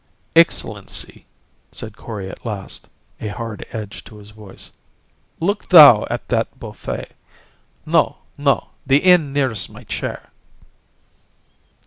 "Excellency," said Kori at last, a hard edge to his voice, "look thou at that buffet. No, no the end nearest my chair."